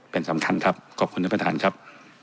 เป็นสำคัญครับขอบคุณครับภัทรคันครับ